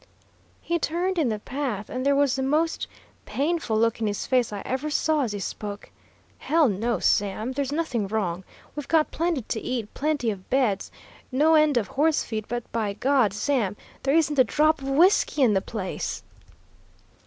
He turned in the path, and there was the most painful look in his face I ever saw as he spoke: "Hell, no, Sam, there's nothing wrong. We've got plenty to eat, plenty of beds, no end of horse feed, but by G , Sam, there isn't a drop of whiskey on the place!"'